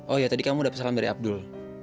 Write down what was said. oh ya tadi kamu udah pesan dari abdul